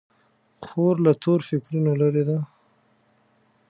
خور له تور فکرونو لیرې ده.